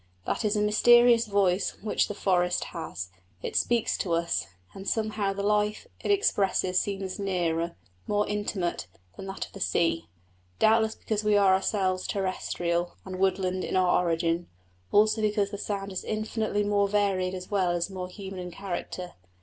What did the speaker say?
That is a mysterious voice which the forest has: it speaks to us, and somehow the life it expresses seems nearer, more intimate, than that of the sea. Doubtless because we are ourselves terrestrial and woodland in our origin; also because the sound is infinitely more varied as well as more human in character.